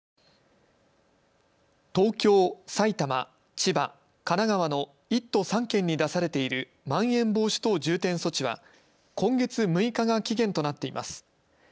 東京、埼玉、千葉、神奈川の１都３県に出されているまん延防止等重点措置は今月６日が期限となっています。